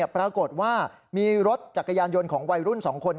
ปรากฏว่ามีรถจักรยานยนต์ของวัยรุ่น๒คน